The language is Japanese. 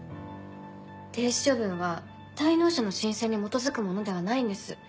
停止処分は滞納者の申請に基づくものではないんです。